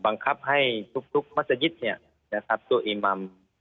บังคับให้ทุกมัศยิตเนี่ยตัวอิมาม